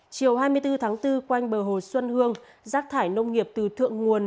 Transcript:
chiều hai mươi bốn tháng bốn quanh bờ hồ xuân hương rác thải nông nghiệp từ thượng nguồn